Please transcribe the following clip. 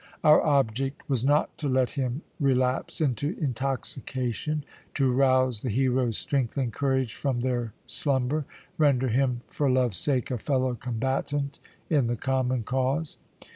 Our object was not to let him relapse into intoxication, to rouse the hero's strength and courage from their slumber, render him for love's sake a fellow combatant in the common cause.